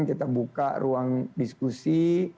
kita buka ruang diskusi